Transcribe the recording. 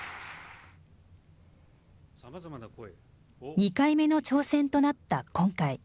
２回目の挑戦となった今回。